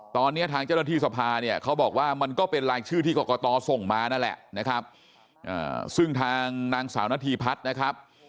ตอนนี้ทางเจ้าหน้าที่สภาเนี่ยเขาบอกว่ามันก็เป็นรายชื่อที่กรกตส่งมานั่นแหละนะครับซึ่งทางนางสาวนาธีพัฒน์นะครับ